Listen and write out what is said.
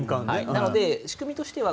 なので、仕組みとしては